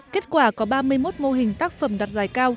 kết quả có ba mươi một mô hình tác phẩm đặt giải cao